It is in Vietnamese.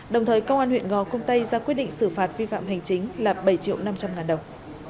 đồng thời công an huyện gò công tây ra quyết định xử phạt vi phạm hành chính là bảy triệu năm trăm linh ngàn đồng